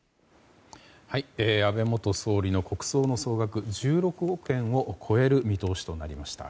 安倍元総理の国葬の総額１６億円を超える見通しとなりました。